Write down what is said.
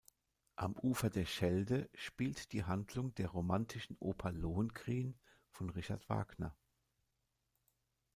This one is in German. Am Ufer der Schelde spielt die Handlung der romantischen Oper Lohengrin von Richard Wagner.